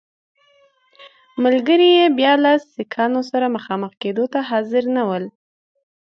ملګري یې بیا له سیکهانو سره مخامخ کېدو ته حاضر نه ول.